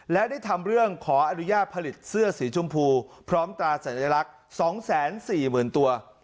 และได้ทำเรื่องขออนุญาตผลิตเสื้อสีชมพูพร้อมตราสัญลักษณ์๒๔๐๐๐ตัว